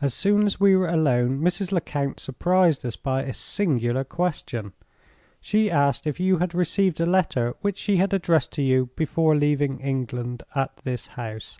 "As soon as we were alone, Mrs. Lecount surprised us by a singular question. She asked if you had received a letter which she had addressed to you before leaving England at this house.